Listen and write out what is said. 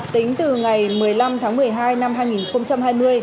tính từ ngày một mươi năm tháng một mươi hai năm hai nghìn hai mươi